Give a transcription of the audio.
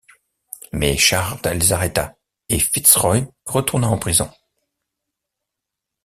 Mais Shard les arrêta et Fitzroy retourna en prison.